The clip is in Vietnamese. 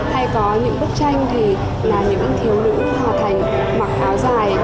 hay có những bức tranh thì là những thiếu nữ hà thành mặc áo dài